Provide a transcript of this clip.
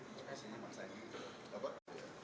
terima kasih pak